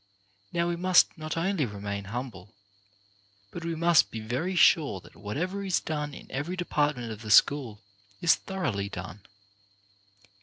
Now,'we must not only remain humble, but we must be very sure that whatever is done in every department of the school is thoroughly done.